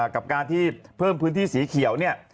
กับการที่เพิ่มพื้นที่สีเขียวเนี่ย